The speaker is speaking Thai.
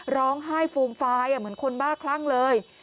ร้องไห้ฟูมฟายเหมือนคนบ้าคลั่งเลย